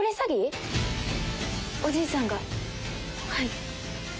はい。